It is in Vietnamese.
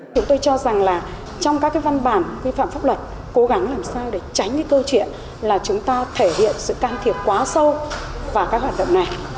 chúng tôi cho rằng là trong các văn bản quy phạm pháp luật cố gắng làm sao để tránh cái câu chuyện là chúng ta thể hiện sự can thiệp quá sâu vào các hoạt động này